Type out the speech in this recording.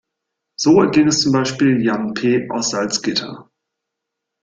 So erging es zum Beispiel Jan P. aus Salzgitter.